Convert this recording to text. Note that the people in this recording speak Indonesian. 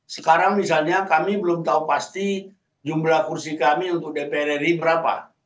sekarang misalnya kami belum tahu pasti jumlah kursi kami untuk dpr ri berapa